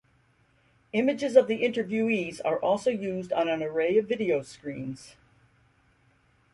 Images of the interviewees are also used on an array of video screens.